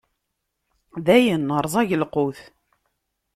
Dayen, rẓag lqut.